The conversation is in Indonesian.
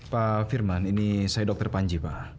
pak firman ini saya dr panji pak